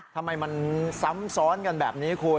ทำไมมันซ้ำซ้อนกันแบบนี้คุณ